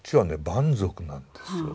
蛮族なんですよ。